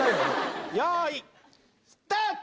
よいスタート！